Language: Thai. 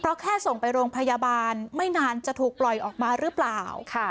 เพราะแค่ส่งไปโรงพยาบาลไม่นานจะถูกปล่อยออกมาหรือเปล่า